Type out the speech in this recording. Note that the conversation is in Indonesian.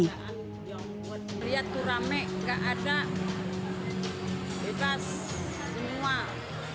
lihat tuh rame nggak ada bebas semua